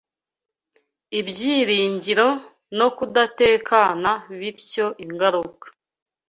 ibyiringiro no kudatekana bityo ingaruka